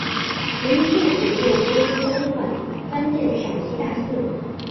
人民政府又拨出专款翻建陕西大寺。